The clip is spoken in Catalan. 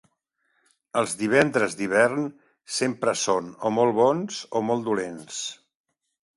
Els divendres d'hivern sempre són o molt bons o molt dolents.